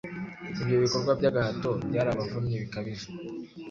ibyo bikorwa by'agahato byarabavunnye bikabije.